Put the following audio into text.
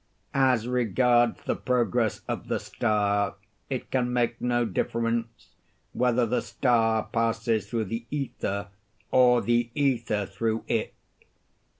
—As regards the progress of the star, it can make no difference whether the star passes through the ether or the ether through it.